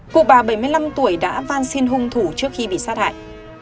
cụ bà bảy mươi năm tuổi đã van xin hung thủ trước khi bị sát hại